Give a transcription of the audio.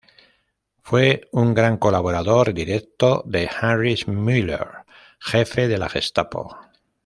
Fue un gran colaborador directo de Heinrich Müller, Jefe de la Gestapo.